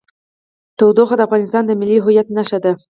تودوخه د افغانستان د ملي هویت نښه ده.